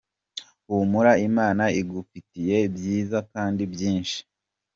humura Imana igufitiye byiza kandi byinshi.